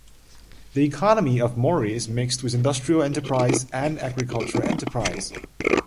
The economy of Mori is mixed with industrial enterprise and agricultural enterprise.